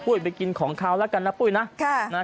ปุ๊ยไปกินของขาวแล้วกันนะปุ๊ยนะค่ะนะฮะ